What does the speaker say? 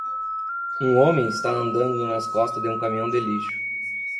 Um homem está andando nas costas de um caminhão de lixo.